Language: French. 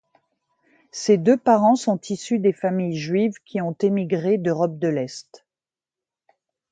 Ses deux parents sont issus des familles juives qui ont émigré d’Europe de l’Est.